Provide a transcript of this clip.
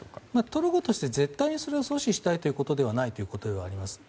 トルコとしては絶対にそれを阻止したいということではないと思います。